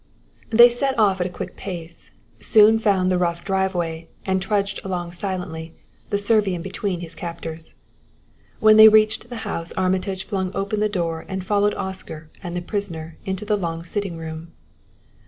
They set off at a quick pace, soon found the rough driveway, and trudged along silently, the Servian between his captors. When they reached the house Armitage flung open the door and followed Oscar and the prisoner into the long sitting room.